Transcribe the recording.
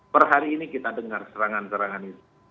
perhari ini kita dengar serangan serangan itu